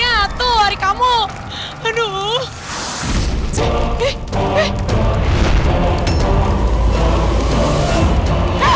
kok gak katherine bunuh kita tuh